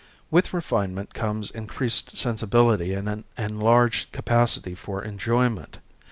With refinement comes increased sensibility and an enlarged capacity for enjoyment.